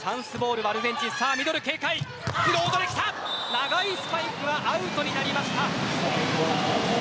長いスパイクはアウトになりました。